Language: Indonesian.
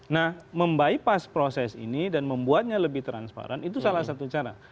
nah membypass proses ini dan membuatnya lebih transparan itu salah satu cara